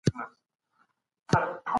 رسول الله ئې د صدقاتو په ورکړه خوښ سو.